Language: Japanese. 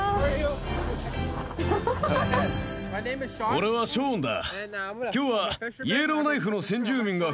俺はショーンだ。